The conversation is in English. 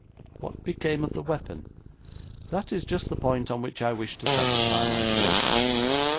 'What became of the weapon?' 'That is just the point on which I wish to satisfy myself.